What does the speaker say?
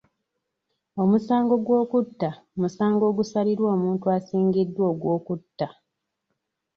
Omusango gw'okutta musango ogusalirwa omuntu asingisiddwa ogw'okutta.